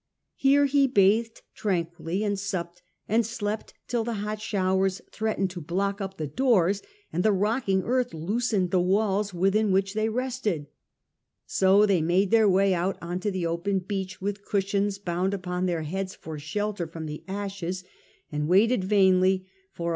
Here he bathed tran quilly and supped and slept till the hot showers threatened to block up the doors, and the rocking earth loosened the walls within which they rested. So they made their way out on to the open beach, with cushions bound upon their heads for shelter from the ashes, and waited vainly for a A.H. M i 62 The Earlier Empire, a.